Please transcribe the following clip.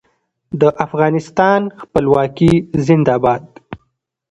د افغانستان خپلواکي زنده باد.